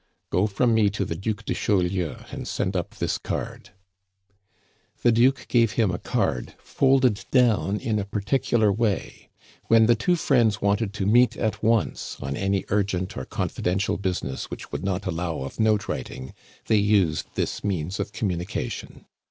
"Go from me to the Duc de Chaulieu, and send up this card." The Duke gave him a card folded down in a particular way. When the two friends wanted to meet at once, on any urgent or confidential business which would not allow of note writing, they used this means of communication.